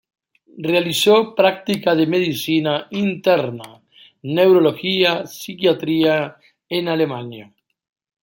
Realizó prácticas de medicina interna, neurología y psiquiatría en Alemania.